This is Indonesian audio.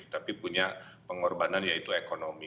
tapi punya pengorbanan yaitu ekonomi